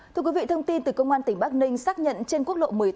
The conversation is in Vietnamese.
thưa quý vị thông tin từ công an tỉnh bắc ninh xác nhận trên quốc lộ một mươi tám